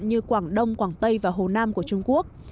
như quảng đông quảng tây và hồ nam của trung quốc